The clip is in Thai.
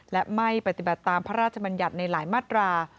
และไม่ปฏิบัติตามพระราชบัญญัติในหลายมาตรา